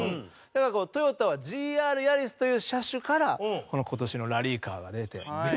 だから、トヨタはＧＲヤリスという車種からこの今年のラリーカーが出てるんです。